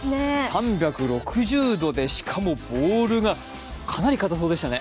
３６０度でしかもボールがかなりかたそうでしたね。